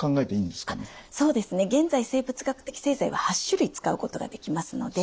そうですね現在生物学的製剤は８種類使うことができますので。